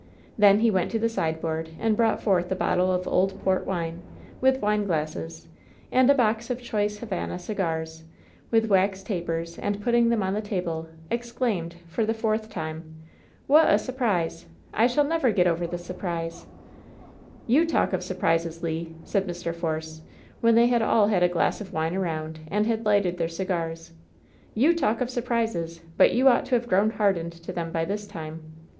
Then he went to the sideboard and brought forth a bottle of old port wine, with wineglasses, and a box of <*hoice Havana cigars, with wax tapers, and putting xhem on the table, exclaimed, for the fourth time: "What a surprise! I shall never get over this sur prise!" WHEN SHADOWS DIE 101 "You talk of surprises, Lei" said Mr. Force, when they had all had a glass of wine around, and had lighted their cigars. "You talk of surprises ; but you ought to have grown hardened to them by this time